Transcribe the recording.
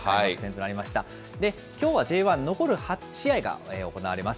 きょうはＪ１残る８試合が行われます。